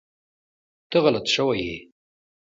ته غلط شوی ېي